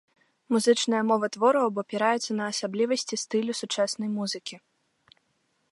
Музычная мова твораў абапіраецца на асаблівасці стылю сучаснай музыкі.